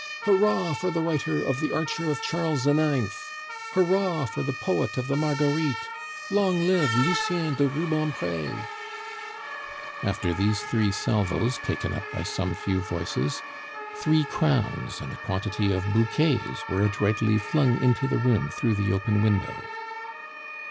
"Hurrah for the writer of The Archer of Charles IX.! ... Hurrah for the poet of the Marguerites! ... Long live Lucien de Rubempre!" After these three salvos, taken up by some few voices, three crowns and a quantity of bouquets were adroitly flung into the room through the open window.